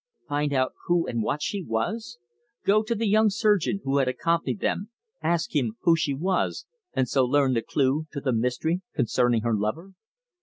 Find out who and what she was? Go to the young surgeon who had accompanied them, ask him who she was, and so learn the clue to the mystery concerning her lover?